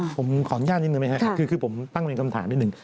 ผมขออนุญาตนิดหนึ่งไหมครับคือผมตั้งเป็นคำถามนิดหนึ่ง